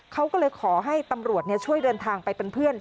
เขาก็เลยขอให้ตำรวจช่วยเดินทางไปเป็นเพื่อน